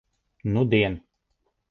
Nudien.